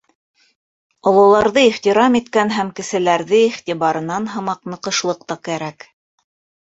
Ололарҙы ихтирам иткән һәм кеселәрҙе иғтибарынан һымаҡ ныҡышлыҡ та кәрәк.